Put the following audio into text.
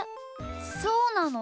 そうなの？